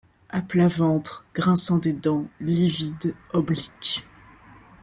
A plat ventre, grinçant des dents, livide, oblique